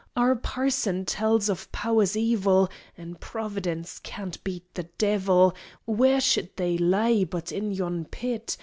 Our parson tells of Powers Evil: (An' Providence can't beat the Devil) Where should they laay, but in yon Pit?